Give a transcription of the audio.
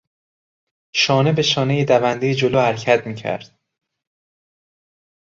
شانه به شانهی دوندهی جلو حرکت میکرد.